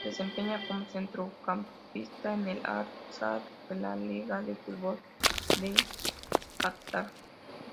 Se desempeña como centrocampista en el Al-Sadd de la Liga de fútbol de Catar.